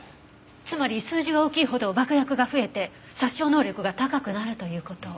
つまり数字が大きいほど爆薬が増えて殺傷能力が高くなるという事。